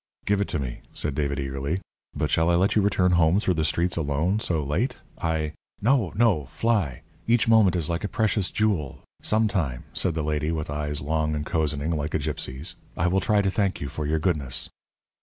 "Give it me," said David, eagerly. "But shall I let you return home through the streets alone so late? I " "No, no fly. Each moment is like a precious jewel. Some time," said the lady, with eyes long and cozening, like a gypsy's, "I will try to thank you for your goodness."